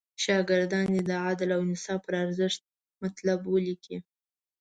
شاګردان دې د عدل او انصاف پر ارزښت مطلب ولیکي.